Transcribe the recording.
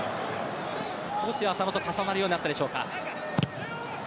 少し浅野と重なるようになったでしょうか。